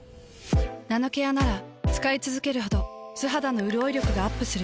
ナノケアなら使いつづけるほど素肌のうるおい力がアップする。